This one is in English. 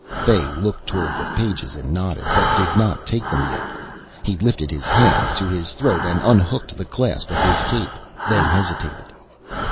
Fay looked toward the pages and nodded, but did not take them yet. He lifted his hands to his throat and unhooked the clasp of his cape, then hesitated.